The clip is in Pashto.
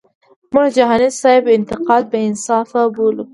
مونږ د جهانی سیب انتقاد بی انصافه بولو.